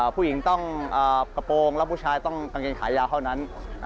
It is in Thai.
ผู้หญิงต้องกระโปรงแล้วผู้ชายต้องกางเกงขายาวเท่านั้น